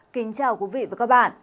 kính chào quý vị và các bạn